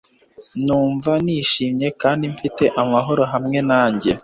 Ndumva nishimye kandi mfite amahoro hamwe nanjye.